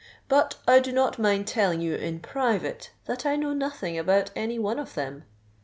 "But I do not mind telling you in private, that I know nothing about any one of them."